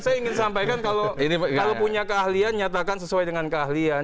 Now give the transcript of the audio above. saya ingin sampaikan kalau punya keahlian nyatakan sesuai dengan keahlian